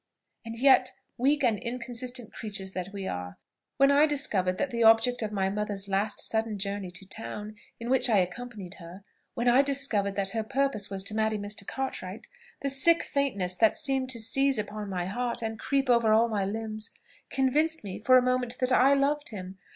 And yet, weak and inconsistent creatures that we are! when I discovered that the object of my mother's last sudden journey to town, in which I accompanied her when I discovered that her purpose was to marry Mr. Cartwright, the sick faintness that seemed to seize upon my heart and creep over all my limbs convinced me for a moment that I loved him